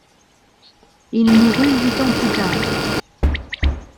Il mourut huit ans plus tard.